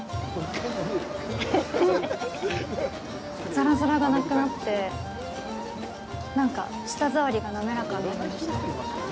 ざらざらがなくなってなんか舌ざわりが滑らかになりました。